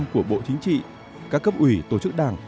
của bộ chính trị các cấp ủy tổ chức đảng